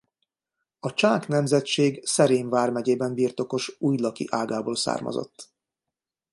A Csák nemzetség Szerém vármegyében birtokos újlaki ágából származott.